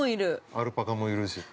◆アルパカもいるし。